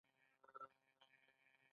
د افغانستان تابعیت لرل یو بل شرط دی.